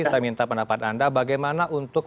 saya minta pendapat anda bagaimana untuk